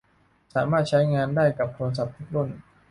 สามารถใช้งานได้กับโทรศัพท์ทุกรุ่น